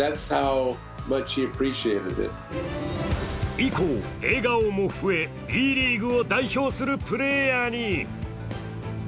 以降、笑顔も増え、Ｂリーグを代表するプレーヤーに。